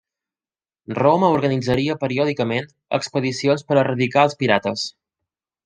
Roma organitzaria periòdicament expedicions per erradicar els pirates.